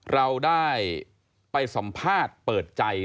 เราได้ไปสัมภาษณ์เปิดใจ